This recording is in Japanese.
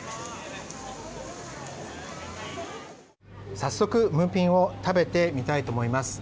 早速ムーピンを食べてみたいと思います。